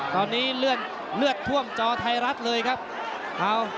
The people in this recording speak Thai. ตอนนี้เลือดท่วมจอไทยรัฐเลยครับ